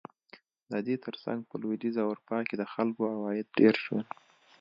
د دې ترڅنګ په لوېدیځه اروپا کې د خلکو عواید ډېر شول.